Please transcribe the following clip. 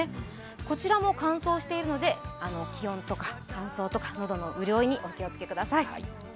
こちらも乾燥しているので気温とか乾燥とか喉の潤いにお気をつけください。